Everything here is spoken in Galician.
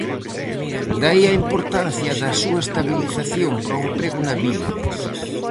De aí a importancia da súa estabilización para o emprego na vila.